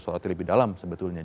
soloti lebih dalam sebetulnya